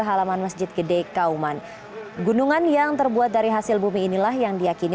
halaman masjid gede kauman gunungan yang terbuat dari hasil bumi inilah yang diakini